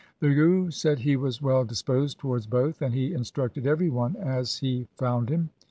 The Guru said he was well disposed towards both, and he instructed every one as he found him.